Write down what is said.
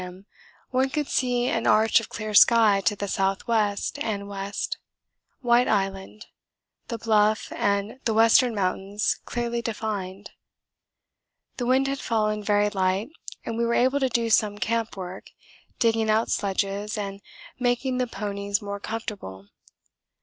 M. one could see an arch of clear sky to the S.W. and W., White Island, the Bluff, and the Western Mountains clearly defined. The wind had fallen very light and we were able to do some camp work, digging out sledges and making the ponies more comfortable.